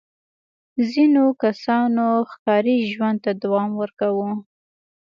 ځینو کسانو ښکاري ژوند ته دوام ورکاوه.